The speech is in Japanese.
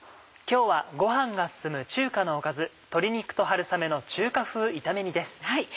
今日はご飯が進む中華のおかず「鶏肉と春雨の中華風炒め煮」です。